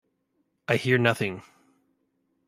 I hear nothing!